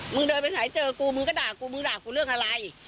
เดินไปไหนเจอกูมึงก็ด่ากูมึงด่ากูเรื่องอะไร